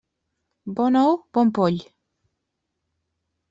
Bon ou, bon poll.